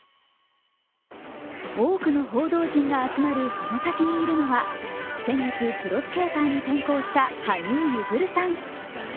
多くの報道陣が集まるその先にいるのは、先月、プロスケーターに転向した羽生結弦さん。